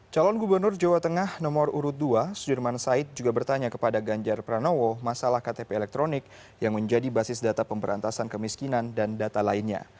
calon gubernur jawa tengah nomor urut dua sudirman said juga bertanya kepada ganjar pranowo masalah ktp elektronik yang menjadi basis data pemberantasan kemiskinan dan data lainnya